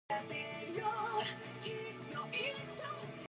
"Sea wolf" is a historical epithet for sailors who engaged in piracy.